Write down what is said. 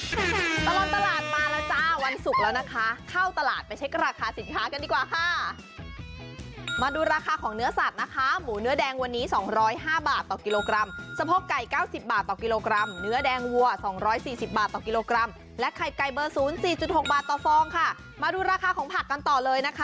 ตลอดตลาดมาแล้วจ้าวันศุกร์แล้วนะคะเข้าตลาดไปเช็คราคาสินค้ากันดีกว่าค่ะมาดูราคาของเนื้อสัตว์นะคะหมูเนื้อแดงวันนี้๒๐๕บาทต่อกิโลกรัมสะโพกไก่เก้าสิบบาทต่อกิโลกรัมเนื้อแดงวัว๒๔๐บาทต่อกิโลกรัมและไข่ไก่เบอร์ศูนย์สี่จุดหกบาทต่อฟองค่ะมาดูราคาของผักกันต่อเลยนะคะ